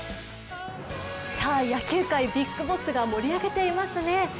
野球界、ビッグボスが盛り上げていますね。